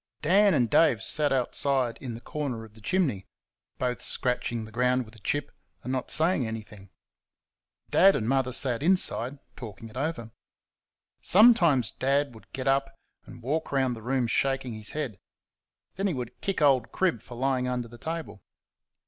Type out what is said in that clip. Dan and Dave sat outside in the corner of the chimney, both scratching the ground with a chip and not saying anything. Dad and Mother sat inside talking it over. Sometimes Dad would get up and walk round the room shaking his head; then he would kick old Crib for lying under the table.